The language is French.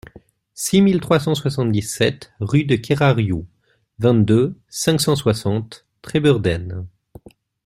six mille trois cent soixante-dix-sept rue de Kerariou, vingt-deux, cinq cent soixante, Trébeurden